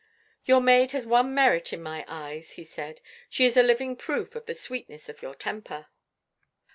"Your maid has one merit in my eyes," he said; "she is a living proof of the sweetness of your temper."